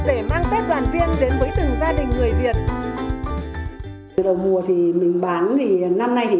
để mang tết đoàn viên đến với từng gia đình người việt từ đầu mùa thì mình bán thì năm nay thì